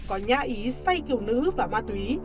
có nhã ý xay kiểu nữ và ma túy